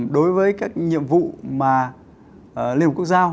đối với các nhiệm vụ mà liên hợp quốc giao